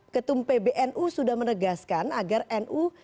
ketum pbnu sudah menegaskan agar nu